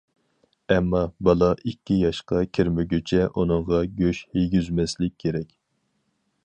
ئەمما، بالا ئىككى ياشقا كىرمىگۈچە ئۇنىڭغا گۆش يېگۈزمەسلىك كېرەك.